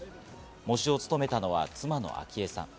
喪主を務めたのは妻の昭恵さん。